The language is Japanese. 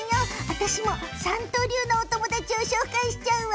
私も三刀流のお友達を紹介しちゃうわ。